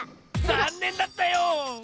ざんねんだったよ！